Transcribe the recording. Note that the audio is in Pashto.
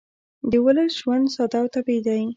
د ولس ژوند ساده او طبیعي دی